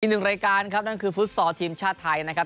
หนึ่งรายการครับนั่นคือฟุตซอลทีมชาติไทยนะครับ